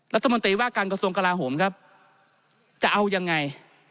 รัฐมนตรีว่าการกระทรวงกลาโหมครับจะเอายังไง